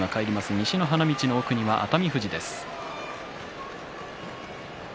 西の花道の奥には熱海富士です。